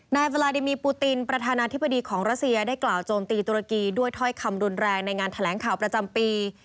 เวลาดิมีปูตินประธานาธิบดีของรัสเซียได้กล่าวโจมตีตุรกีด้วยถ้อยคำรุนแรงในงานแถลงข่าวประจำปี